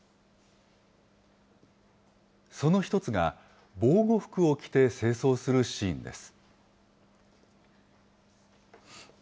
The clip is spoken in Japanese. その１つが、防護服を着て清掃するシーンです。